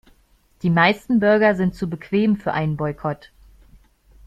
Die meisten Bürger sind zu bequem für einen Boykott.